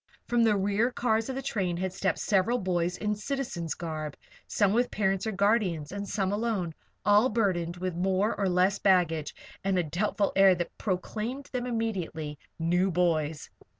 From the rear cars of the train had stepped several boys in citizen's garb, some with parents or guardians and some alone, and all burdened with more or less baggage and a doubtful air that proclaimed them immediately "new boys."